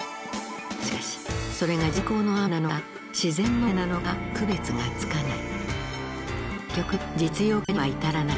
しかしそれが人工の雨なのか自然の雨なのか区別がつかない。